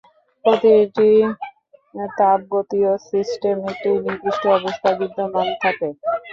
প্রতিটি তাপগতীয় সিস্টেম একটি নির্দিষ্ট অবস্থায় বিদ্যমান থাকে।